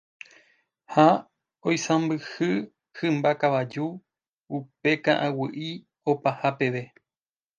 ha oisãmbyhy hymba kavaju upe ka'aguy'i opaha peve.